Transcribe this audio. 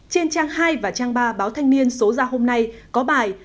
trên trang hai và trang ba báo thanh niên số ra hôm nay có bài